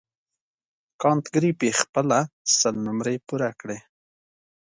کانت ګریفي خپله سل نمرې پوره کړې.